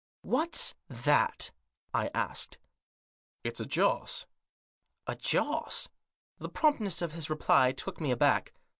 " What's that ?" I asked. " It's a joss." " A joss ?" The promptness of his reply took me aback.